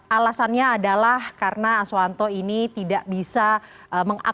alasannya adalah karena aswanto ini tidak bisa mengakses